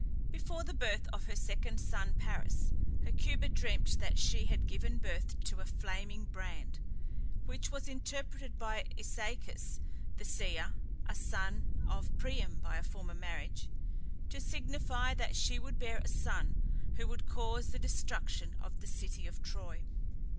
Before the birth of her second son Paris, Hecuba dreamt that she had given birth to a flaming brand, which was interpreted by AEsacus the seer (a son of Priam by a former marriage) to signify that she would bear a son who would cause the destruction of the city of Troy.